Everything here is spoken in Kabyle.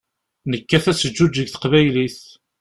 Nekkat ad teǧǧuǧeg teqbaylit.